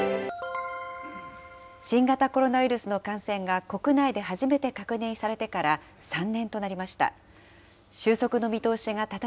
新型コロナウイルスの感染が国内で初めて確認されてから３年となりました。